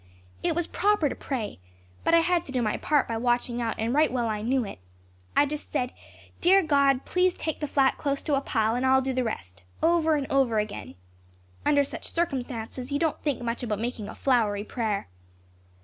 It was proper to pray, but I had to do my part by watching out and right well I knew it. I just said, 'Dear God, please take the flat close to a pile and I'll do the rest,' over and over again. Under such circumstances you don't think much about making a flowery prayer.